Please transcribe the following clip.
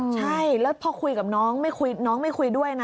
ใช่แล้วพอคุยกับน้องไม่คุยด้วยนะ